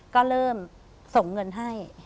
ก็เริ่มส่งเงินให้